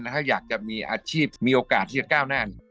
ถ้าอยากจะมีอาชีพมีโอกาสที่จะก้าวแน่น